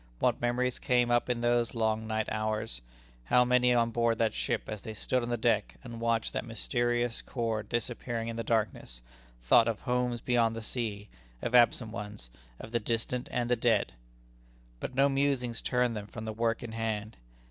What memories came up in those long night hours! How many on board that ship, as they stood on the deck and watched that mysterious cord disappearing in the darkness, thought of homes beyond the sea, of absent ones, of the distant and the dead! But no musings turn them from the work in hand.